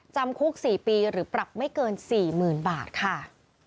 จำคุก๔ปีหรือปรับไม่เกิน๔๐๐๐บาทค่ะ